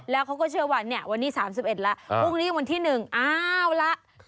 แล้วเขาก็เชื่อว่าวันนี้๓๑ล่ะพรุ่งนี้วันที่๑อ้าวละ